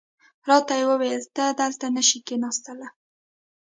راته یې وویل ته دلته نه شې کېناستلای.